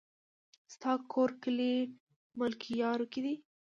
ستا کور کلي ملكيارو کې دی؟